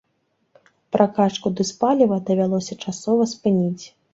Пракачку дызпаліва давялося часова спыніць.